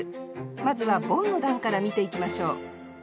まずはボンの段から見ていきましょう